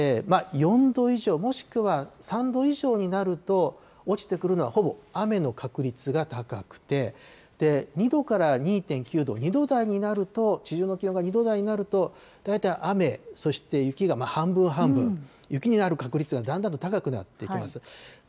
４度以上、もしくは３度以上になると、落ちてくるのはほぼ雨の確率が高くて、２度から２．９度、２度台になると、地上の気温が２度台になると、大体雨、そして雪が半分半分、雪になる確率がだんだんと高くなってきます。